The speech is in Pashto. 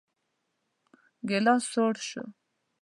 ګيلاس سوړ شو.